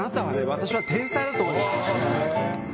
私は天才だと思います。